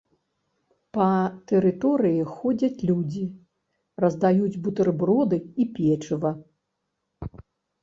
Па тэрыторыі ходзяць людзі, раздаюць бутэрброды і печыва.